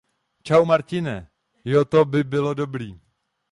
Čau Martine, jo to by bylo dobrý.